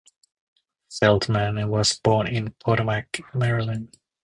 Feldman was born in Potomac, Maryland.